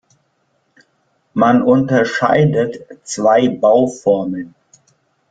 Man unterscheidet zwei Bauformen.